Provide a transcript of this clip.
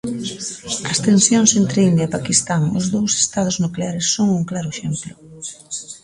As tensións entre India e Paquistán, os dous estados nucleares, son un claro exemplo.